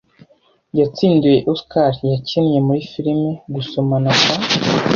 yatsindiye Oscar yakinnye muri Filime Gusomana kwa